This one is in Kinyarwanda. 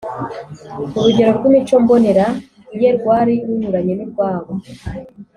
. Urugero rw’imico mbonera Ye rwari runyuranye n’urwabo